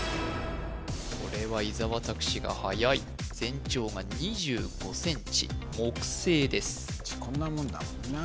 これは伊沢拓司がはやい全長が２５ｃｍ木製ですこんなもんだもんな